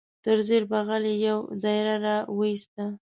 تر زیر بغل یې یو دایره را وایسته.